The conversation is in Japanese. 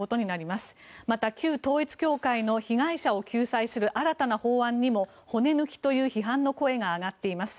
また、旧統一教会の被害者を救済する新たな法案にも骨抜きという批判の声が上がっています。